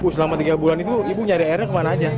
selama tiga bulan itu ibu nyari airnya kemana aja